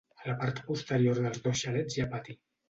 A la part posterior dels dos xalets hi ha pati.